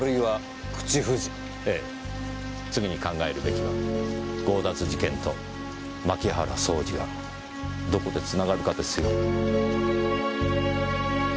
次に考えるべきは強奪事件と槇原惣司がどこで繋がるかですよ。